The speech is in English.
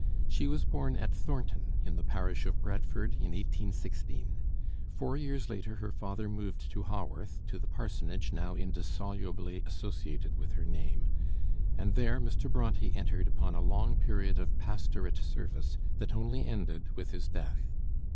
She was born at Thornton, in the parish of Bradford, in 1816. Four years later her father moved to Haworth, to the parsonage now indissolubly associated with her name, and there Mr. Bronté entered upon a long period of pastorate service, that only ended with his death.